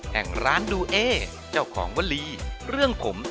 แห่งร้านดูเอเจ้าของวลีเรื่องผม